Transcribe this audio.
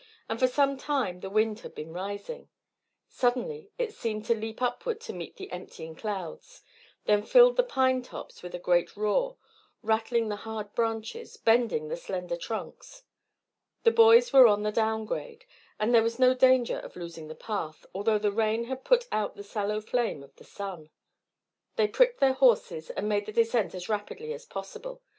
For some time the wind had been rising; suddenly it seemed to leap upward to meet the emptying clouds, then filled the pine tops with a great roar, rattling the hard branches, bending the slender trunks. The boys were on the down grade, and there was no danger of losing the path, although the rain had put out the sallow flame of the sun. They pricked their horses and made the descent as rapidly as possible.